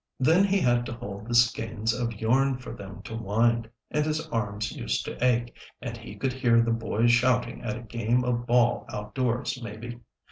Then he had to hold the skeins of yarn for them to wind, and his arms used to ache, and he could hear the boys shouting at a game of ball outdoors, maybe.